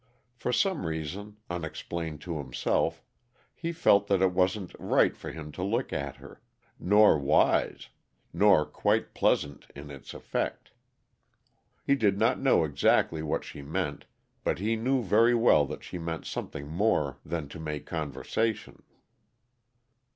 For some reason, unexplained to himself, he felt that it wasn't right for him to look at her; nor wise; nor quite pleasant in its effect. He did not know exactly what she meant, but he knew very well that she meant something more than to make conversation.